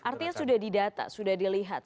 artinya sudah didata sudah dilihat